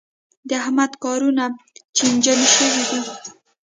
د احمد کارونه چينجن شوي دي.